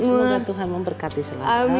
semoga tuhan memberkati semua kami